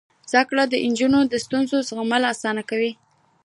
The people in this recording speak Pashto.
زده کړه د نجونو د ستونزو زغمل اسانه کوي.